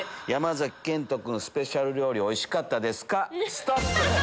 ストップ！